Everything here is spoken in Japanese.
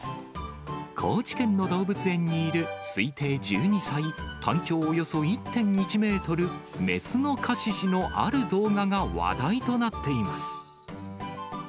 高知県の動物園にいる推定１２歳、体長およそ１．１メートル、雌のカシシのある動画が話題となっています。